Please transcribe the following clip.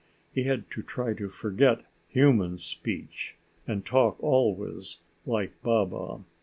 He had to try to forget human speech, and talk always like Baba.